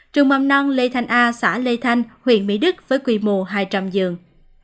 trường mầm non lê thanh a xã lê thanh huyện mỹ đức với quy mô hai trăm linh giường